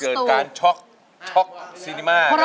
เกิดการช็อกช็อกซีนิมา